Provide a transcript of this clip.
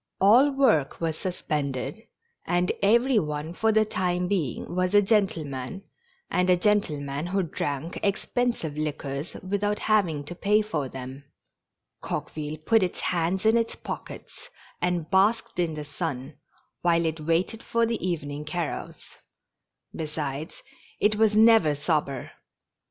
All work was sus pended, and every one for the time being was a gentle man, and a gentleman who drank expensive liquors without having to pay for them. Coqueville put its hands in its pockets and basked in the sun, while it waited for the evening carouse ; besides, it was never MORE JOLLIFICATION. 229 sober.